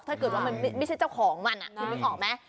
ถ้าเกิดว่ามันไม่ใช่เจ้าของมันคุณนึกออกไหม